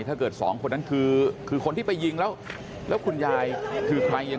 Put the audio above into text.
ถ้าเกิดสองคนนั้นคือคนที่ไปยิงแล้วคุณยายคือใคร